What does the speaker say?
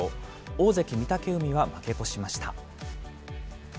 大関・御嶽海は負け越しました。